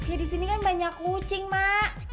ya di sini kan banyak kucing mak